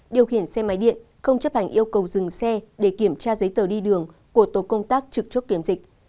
điều khiển xe máy điện không chấp hành yêu cầu dừng xe để kiểm tra giấy tờ đi đường của tổ công tác trực chốt kiểm dịch